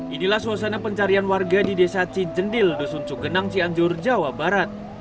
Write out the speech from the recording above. inilah suasana pencarian warga di desa cincendil desun cukgenang cianjur jawa barat